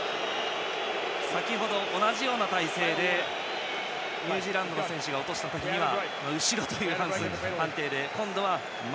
先程、同じような体勢でニュージーランドの選手が落とした時には後ろという判定で今度は前。